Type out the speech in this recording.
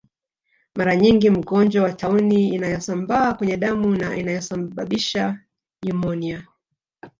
Mara nyingi mgonjwa wa tauni inayosambaa kwenye damu na inayosababisha nyumonia